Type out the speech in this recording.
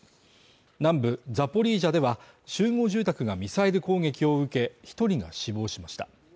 南部ザポリージャでは、集合住宅がミサイル攻撃を受け、１人が死亡しました。